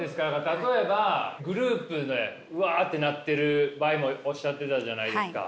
例えばグループでわってなってる場合もおっしゃってたじゃないですか。